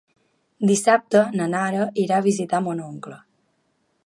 Dissabte na Nara irà a visitar mon oncle.